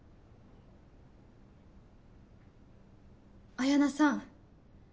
彩菜さん。